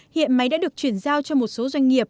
hiện máy đã được chuyển giao cho một số doanh nghiệp